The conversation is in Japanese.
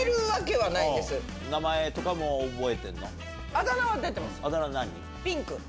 あだ名は出てます。